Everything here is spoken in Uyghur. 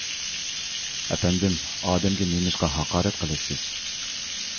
ئەپەندىم، ئادەمگە نېمىشقا ھاقارەت قىلىسىز؟